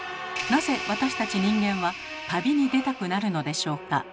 なぜ私たち人間は旅に出たくなるのでしょうか。